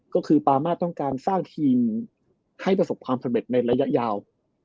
ก็คือปามาต้องการสร้างทีมให้ประสบความสำเร็จในระยะยาว